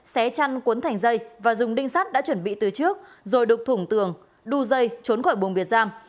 xé chăn cuốn thành dây và dùng đinh sắt đã chuẩn bị từ trước rồi đục thủng tường đu dây trốn khỏi bùng biệt giam